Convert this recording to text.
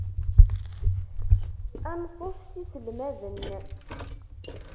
Ansuf s yiselmaden.